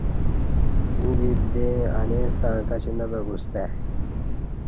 ییں ببدیں انے ستݩع کچی نہ بہ گستای